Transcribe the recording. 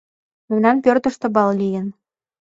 — Мемнан пӧртыштӧ бал лийын.